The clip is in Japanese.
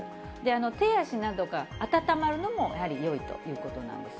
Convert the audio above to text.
手足などが温まるのもやはりよいということなんです。